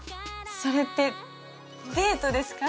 それってデートですか？